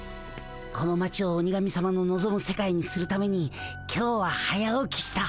この町を鬼神さまののぞむ世界にするために今日は早起きした。